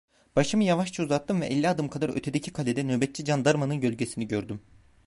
Başımı yavaşça uzattım ve elli adım kadar ötedeki kalede nöbetçi candarmanın gölgesini gördüm.